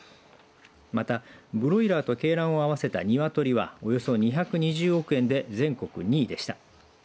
またブロイラーと鶏卵を合わせた鶏はおよそ２２０億円で全国２位でした。